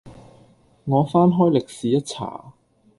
我翻開歷史一查，